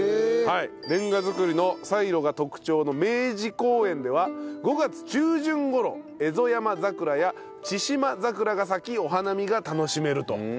レンガ造りのサイロが特徴の明治公園では５月中旬頃エゾヤマザクラやチシマザクラが咲きお花見が楽しめると。